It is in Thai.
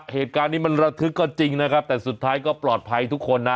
เหตุการณ์นี้มันระทึกก็จริงนะครับแต่สุดท้ายก็ปลอดภัยทุกคนนะ